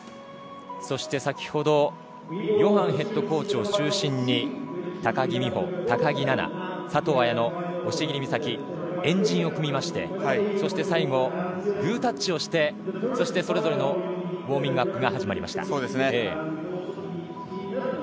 そして、先ほどヨハンヘッドコーチを中心に高木美帆、高木菜那佐藤綾乃押切美沙紀、円陣を組みましてそして最後、グータッチをしてそれぞれのウォーミングアップが始まりました。